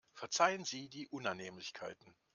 Verzeihen Sie die Unannehmlichkeiten.